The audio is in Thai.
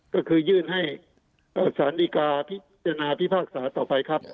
ก็คือยื่นให้สารดีกาพิจารณาพิพากษาต่อไปครับ